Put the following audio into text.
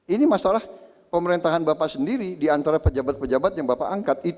ini masalah pemerintahan bapak sendiri diantara pejabat pejabat yang bapak angkat